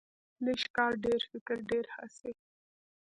لږ کار، ډیر فکر، ډیر حاصل.